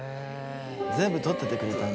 全部とっててくれたの。